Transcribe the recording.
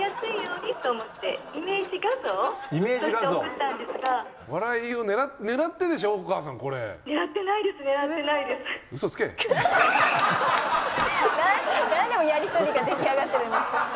なんでもうやり取りが出来上がってるんですか。